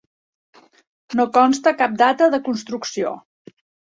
No consta cap data de construcció.